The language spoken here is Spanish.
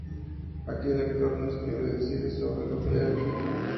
Aquí el lector no escribe, decide sobre lo ya escrito.